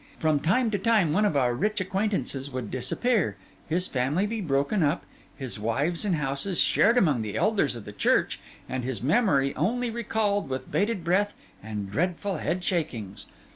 From time to time one of our rich acquaintances would disappear, his family be broken up, his wives and houses shared among the elders of the Church, and his memory only recalled with bated breath and dreadful headshakings.